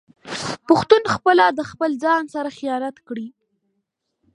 پښتون خپله د خپل ځان سره خيانت کړي